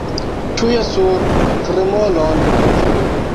Tuj sur tremolon!